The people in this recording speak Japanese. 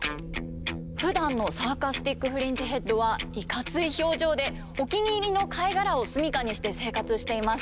ふだんのサーカスティック・フリンジヘッドはいかつい表情でお気に入りの貝殻を住みかにして生活しています。